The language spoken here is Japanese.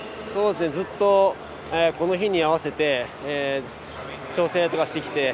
ずっとこの日に合わせて調整とかしてきて。